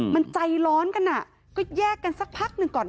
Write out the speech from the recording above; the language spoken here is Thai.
มันใจร้อนกันก็แยกกันสักพักหนึ่งก่อน